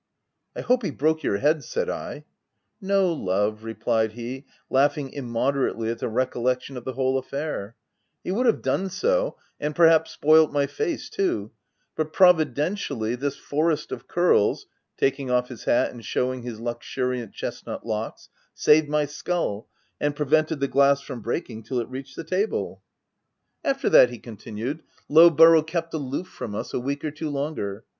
" I hope he broke your head," said I. u No, love/* replied he, laughing immoder ately at the recollection of the whole affair, " he would have done so, — and perhaps spoilt my face, too, but providentially, this forest of curls," (taking off his hat and shewing his luxuriant chestnut locks,) u saved my skull, and prevented the glass from breaking till it reached the table." 44 THE TENANT " After that," he continued, " Lowborough kept aloof from us a week or two longer.